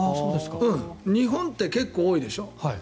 日本って結構多いでしょ。